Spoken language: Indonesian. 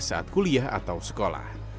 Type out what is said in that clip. saat kuliah atau sekolah